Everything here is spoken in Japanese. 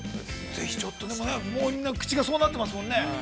◆ぜひちょっとね、みんな口が、そうなってますもんね。